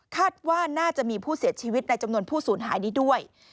คาดว่าน่าจะมีผู้เสียชีวิตในจำนวนผู้สูญหายนี้ด้วย